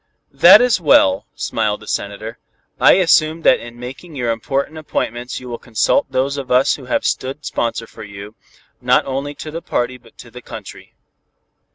"That is well," smiled the Senator. "I assume that in making your important appointments you will consult those of us who have stood sponsor for you, not only to the party but to the country.